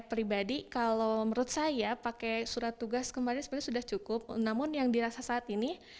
pribadi kalau menurut saya pakai surat tugas kemarin sebenarnya sudah cukup namun yang dirasa saat ini